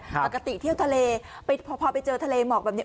ปกติเที่ยวทะเลพอไปเจอทะเลหมอกแบบนี้